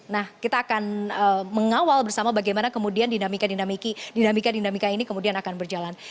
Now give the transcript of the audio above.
nah kita akan mengawal bersama bagaimana kemudian dinamika dinamika dinamika ini kemudian akan berjalan